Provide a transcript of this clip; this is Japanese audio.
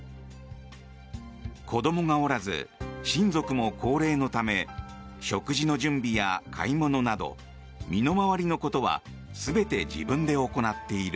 子供がおらず、親族も高齢のため食事の準備や買い物など身の回りのことは全て自分で行っている。